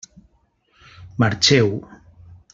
Marxeu!